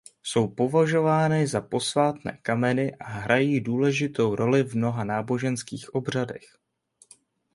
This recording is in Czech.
Jsou považovány za "posvátné kameny" a hrají důležitou roli v mnoha náboženských obřadech.